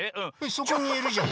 そこにいるじゃん。